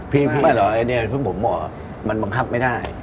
พี่บอกว่าอันนี้เพื่อนผมมันบังคับไม่ได้